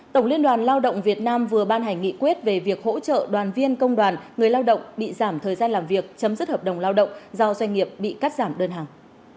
tổng liên đoàn lao động việt nam vừa ban hành nghị quyết về việc hỗ trợ đoàn viên công đoàn người lao động bị giảm thời gian làm việc chấm dứt hợp đồng lao động do doanh nghiệp bị cắt giảm đơn hàng